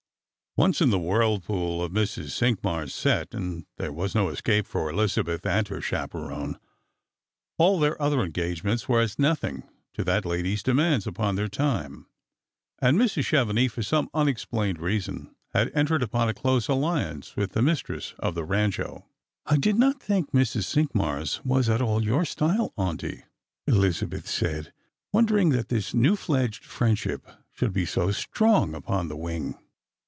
Once in the whirlpool of Mrs. Cinqmars' set, and there waa no escape for EUzabeth and her chaperon ; all their other en gagements were as nothing to that lady's demands upon their time, and Mrs Chevenix, for some unexplained reason, had entered upon a close alliance with the mistress of the Rancho. " I did not think Mrs. Cinqmars was at all your style, auntie," Elizabeth said, wondering that this new fledged friendship should be so strong upon the wing.